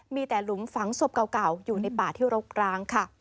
มีแต่หลุมฝังศพเก่าอยู่ในป่าที่รกร้างค่ะ